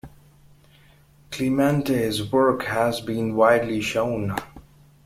Clemente's work has been widely shown.